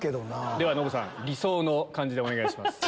ではノブさん理想の感じでお願いします。